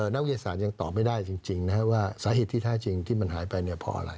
นักวิทยาศาสตร์ยังตอบไม่ได้จริงว่าสาเหตุที่แท้จริงที่มันหายไปเนี่ยเพราะอะไร